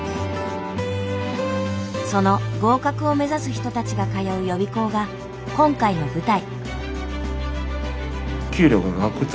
その合格を目指す人たちが通う予備校が今回の舞台。